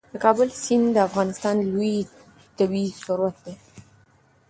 د کابل سیند د افغانستان یو لوی طبعي ثروت دی.